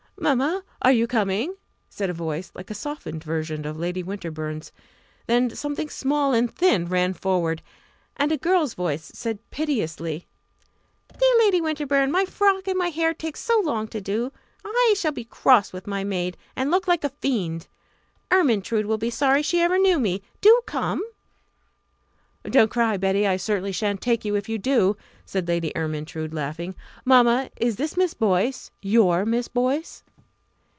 "Mamma, are you coming?" said a voice like a softened version of Lady Winterbourne's. Then something small and thin ran forward, and a girl's voice said piteously: "Dear Lady Winterbourne, my frock and my hair take so long to do! I shall be cross with my maid, and look like a fiend. Ermyntrude will be sorry she ever knew me. Do come!" "Don't cry, Betty. I certainly shan't take you if you do!" said Lady Ermyntrude, laughing. "Mamma, is this Miss Boyce your Miss Boyce?"